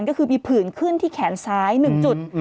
ก็คือมีผื่นขึ้นที่แขนซ้าย๑จุด